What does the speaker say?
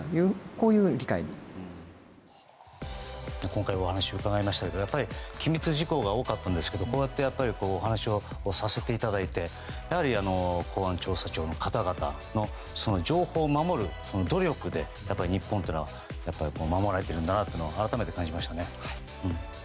今回お話を伺いましたけども機密事項が多かったんですけどこうしてお話をさせていただいてやはり、公安調査庁の方々の情報を守る努力で日本というのは守られているんだなというのを改めて感じました。